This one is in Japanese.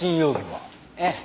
ええ。